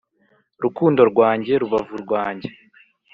rukundo rwanjye rubavu rwanjye